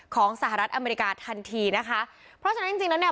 สหรัฐอเมริกาทันทีนะคะเพราะฉะนั้นจริงจริงแล้วเนี่ย